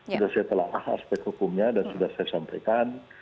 sudah saya telah aspek hukumnya dan sudah saya sampaikan